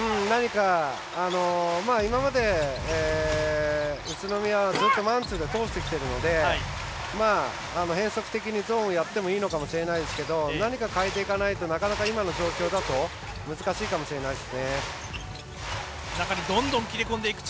今まで、宇都宮はずっとマンツーで通してきてるので変則的にゾーンをやってもいいのかもしれないですけど何か変えていかないとなかなか、今の状況だと難しいかもしれないです。